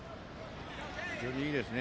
非常にいいですね。